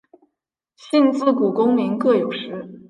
信自古功名各有时。